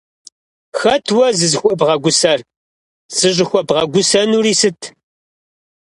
Хэт уэ зызыхуэбгъэгусэр? ЗыщӀыхуэбгъэгусэнури сыт?